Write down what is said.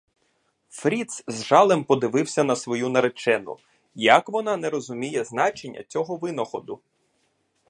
Фріц з жалем подивився на свою наречену: як вона не розуміє значення цього винаходу?